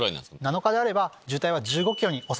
７日であれば。